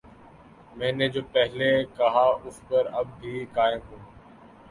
میں نے جو پہلے کہا ،اس پر اب بھی قائم ہوں